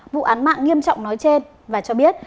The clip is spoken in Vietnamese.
vụ án mạng nghiêm trọng nói trên và cho biết